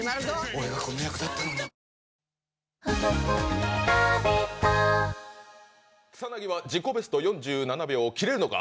俺がこの役だったのに草薙は自己ベスト４７秒を切れるのか？